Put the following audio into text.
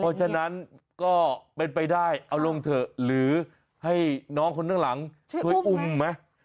เพราะฉะนั้นก็เป็นไปได้เอาลงเถอะหรือให้น้องคนข้างหลังช่วยอุ้มไหม